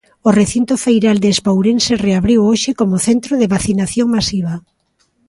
O recinto feiral de Expourense reabriu hoxe como centro de vacinación masiva.